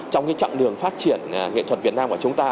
trong cái chặng đường phát triển nghệ thuật việt nam của chúng ta